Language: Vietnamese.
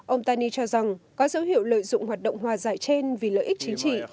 ông tani cho rằng có dấu hiệu lợi dụng hoạt động hòa giải trên vì lợi ích chính trị